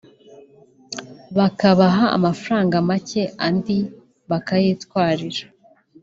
bakabaha amafaranga macye andi bakayitwarira